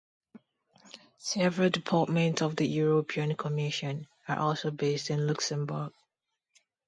Several departments of the European Commission are also based in Luxembourg.